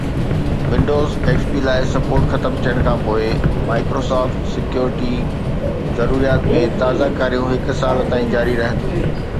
windows XP لاءِ support ختم ٿيڻ کان پوءِ Microsoft سيڪيورٽي ضروريات ۾ تازه ڪاريون هڪ سال تائين جاري رهنديون